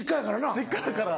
実家だから。